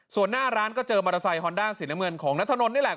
ส่วนหน้าร้านก็เจอมอเตอร์ไซคอนด้าสีน้ำเงินของนัทธนนท์นี่แหละ